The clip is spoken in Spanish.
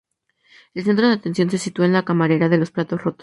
El centro de atención se sitúa en la camarera con los platos rotos.